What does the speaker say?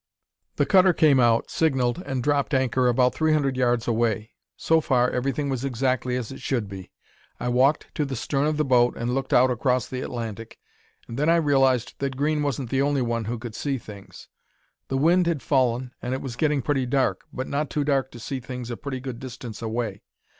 "The cutter came out, signalled, and dropped anchor about three hundred yards away. So far, everything was exactly as it should be. I walked to the stern of the boat and looked out across the Atlantic and then I realized that Green wasn't the only one who could see things. The wind had fallen and it was getting pretty dark, but not too dark to see things a pretty good distance away.